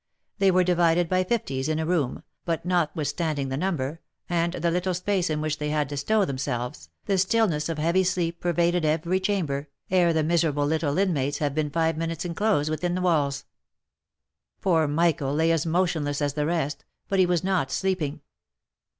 They were divided by fifties in a room, but notwithstanding the number, and the little space in which they had to stow themselves, the stillness of heavy sleep pervaded every chamber, ere the miserable little inmates had been five minutes enclosed within the walls. Poor Michael lay as motionless as the rest, but he was not sleeping.